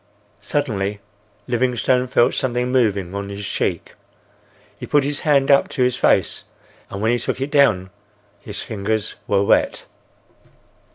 Suddenly Livingstone felt something moving on his cheek. He put his hand up to his face and when he took it down his fingers were wet.